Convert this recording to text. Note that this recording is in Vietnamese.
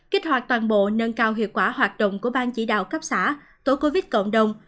kích hoạt toàn bộ nâng cao hiệu quả hoạt động của bang chỉ đạo cấp xã tổ covid cộng đồng